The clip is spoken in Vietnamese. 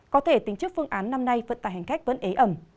có thể tính chức phương án năm nay vận tài hành khách vẫn ế ẩm